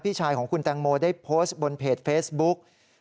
ชายของคุณแตงโมได้โพสต์บนเพจเฟซบุ๊ก